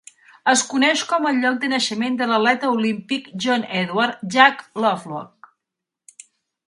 Es coneix com el lloc de naixement de l'atleta olímpic John Edward "Jack" Lovelock.